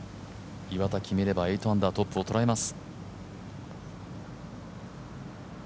岩田決めれば９アンダートップをとらえます。